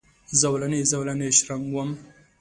زولنې، زولنې شرنګ وم